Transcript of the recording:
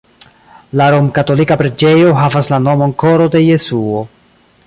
La romkatolika preĝejo havas la nomon Koro de Jesuo.